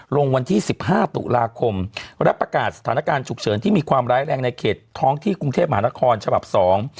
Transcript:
ลงวันที่สิบห้าตุลาคมและประกาศสถานการณ์ฉุกเฉินที่มีความร้ายแรงในเขตท้องที่กรุงเทพมหานครฉบับสอง